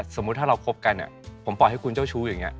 สมมุติถ้าเราคบกันผมปล่อยให้คุณเจ้าชู้อย่างนี้